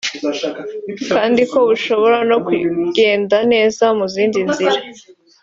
kandi ko bushobora no kugenda neza mu zindi nzira